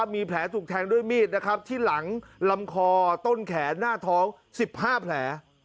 มีแผลถูกแทงด้วยมีดนะครับที่หลังลำคอต้นแขนหน้าท้อง๑๕แผล